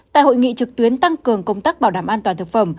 tại hội nghị trực tuyến tăng cường công tác bảo đảm an toàn thực phẩm